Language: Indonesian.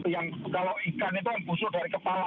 yang kalau ikan itu yang busuk dari kepala